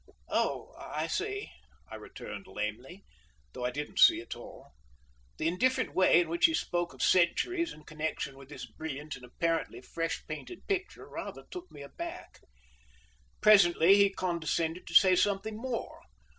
"Oh, I see," I returned lamely, though I didn't see at all. The indifferent way in which he spoke of centuries in connection with this brilliant and apparently fresh painted picture rather took me aback. Presently he condescended to say something more.